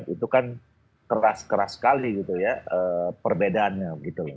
itu kan keras keras sekali perbedaannya